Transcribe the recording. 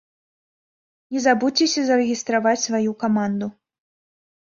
Не забудзьцеся зарэгістраваць сваю каманду!